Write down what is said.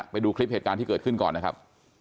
ไปดูคลิปเหตุการณ์ที่เกิดขึ้นก่อนนะครับ